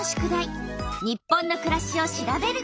「日本のくらし」を調べること。